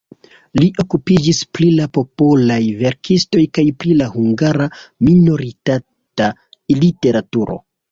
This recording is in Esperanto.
Li okupiĝis pri la popolaj verkistoj kaj pri la hungara minoritata literaturo.